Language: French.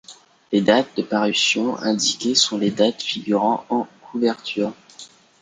Les dates de parution indiquées sont les dates figurant en couverture.